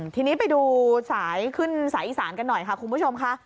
ทีนี้ไปดูสายขึ้นสายอีสานกันหน่อยค่ะคุณผู้ชมค่ะ